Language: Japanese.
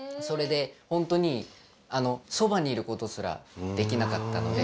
それでほんとにそばにいることすらできなかったので。